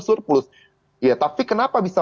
surplus ya tapi kenapa bisa